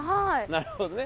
なるほどね。